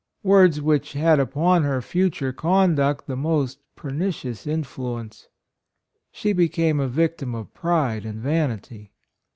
words which had upon her future conduct the most pernicious influence. She became a victim of pride and van ity.